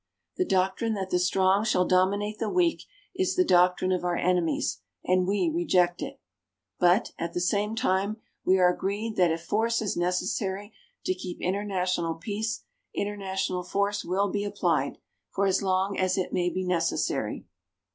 The doctrine that the strong shall dominate the weak is the doctrine of our enemies and we reject it. But, at the same time, we are agreed that if force is necessary to keep international peace, international force will be applied for as long as it may be necessary.